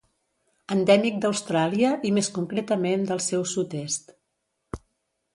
Endèmic d'Austràlia i més concretament del seu sud-est.